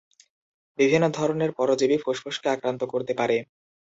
বিভিন্ন ধরনের পরজীবী ফুসফুসকে আক্রান্ত করতে পারে।